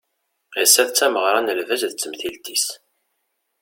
Ass-a d tameɣra n lbaz d temtilt-is